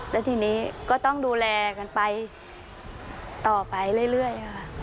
และทีนี้ก็ต้องดูแลกันไปต่อไปเรื่อยค่ะ